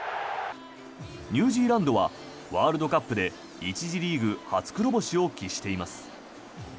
ニュージーランドはワールドカップで１次リーグ初黒星を喫しています。